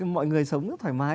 mọi người sống rất thoải mái